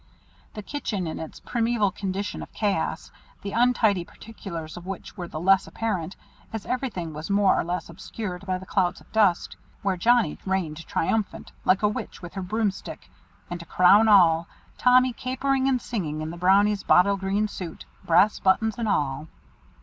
The kitchen in its primeval condition of chaos, the untidy particulars of which were the less apparent, as everything was more or less obscured by the clouds of dust, where Johnnie reigned triumphant, like a witch with her broomstick; and, to crown all, Tommy capering and singing in the Brownie's bottle green suit, brass buttons and all.